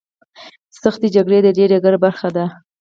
سختې شخړې د دې ډګر برخه دي.